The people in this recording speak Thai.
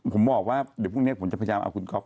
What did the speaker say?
ผมบอกว่าเดี๋ยวพรุ่งนี้ผมจะพยายามเอาคุณก๊อฟ